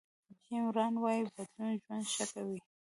جیم ران وایي بدلون ژوند ښه کوي.